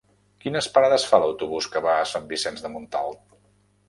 Quines parades fa l'autobús que va a Sant Vicenç de Montalt?